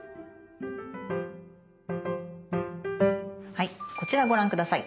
はいこちらご覧下さい。